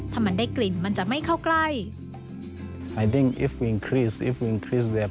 ถ้ามันได้กลิ่นมันจะไม่เข้าใกล้